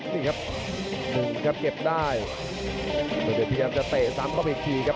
นี่ครับหนึ่งครับเก็บได้ดูเดชพยายามจะเตะซ้ำเข้าไปอีกทีครับ